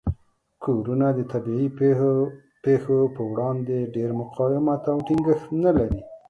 کورونه د طبیعي پیښو په وړاندې ډیر مقاومت او ټینګښت نه لري.